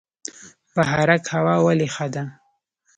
بهارک هوا ولې ښه ده؟